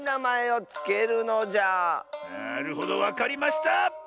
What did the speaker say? なるほどわかりました！